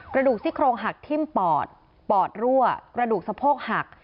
กระดูกซี่โครงหักทิ้มปอดปอดรั่วกระดูกสะโพกหัก